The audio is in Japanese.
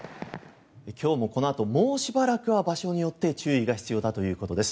今日もこのあともうしばらくは場所によって注意が必要だということです。